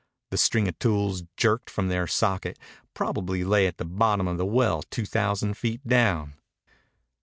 The string of tools, jerked from their socket, probably lay at the bottom of the well two thousand feet down.